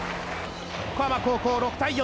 横浜高校６対４。